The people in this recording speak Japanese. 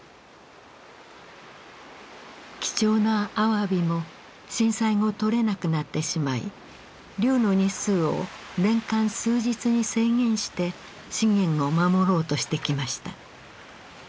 貴重なアワビも震災後とれなくなってしまい漁の日数を年間数日に制限して資源を守ろうとしてきました。